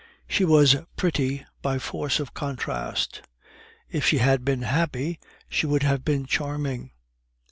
She was pretty by force of contrast; if she had been happy, she would have been charming.